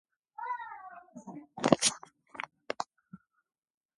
ჩვენ ადამი და ევას შთამომავლები ვართ